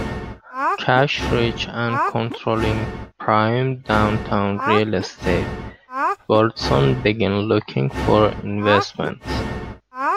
Cash-rich and controlling prime downtown real estate, Goldenson began looking for investments.